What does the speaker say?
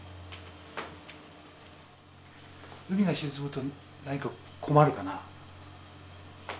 海が沈むと何か困るかな？